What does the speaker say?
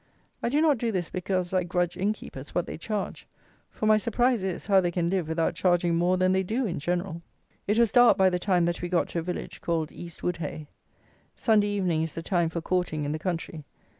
I do not do this because I grudge inn keepers what they charge; for my surprise is, how they can live without charging more than they do in general. It was dark by the time that we got to a village, called East Woodhay. Sunday evening is the time for courting, in the country.